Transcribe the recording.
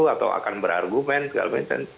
atau akan berargumen segala macam